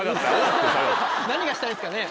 何がしたいんですかね